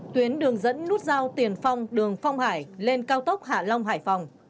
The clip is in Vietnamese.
tuyến đường dẫn nút giao tiền phong đường phong hải lên cao tốc hạ long hải phòng